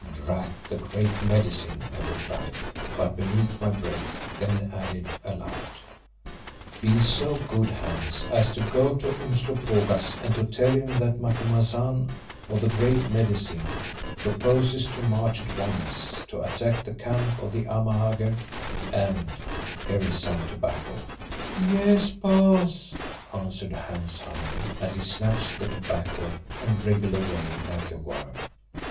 "Drat the Great Medicine," I replied, but beneath my breath, then added aloud, "Be so good, Hans, as to go to Umslopogaas and to tell him that Macumazahn, or the Great Medicine, proposes to march at once to attack the camp of the Amahagger, and—here is some tobacco." "Yes, Baas," answered Hans humbly, as he snatched the tobacco and wriggled away like a worm.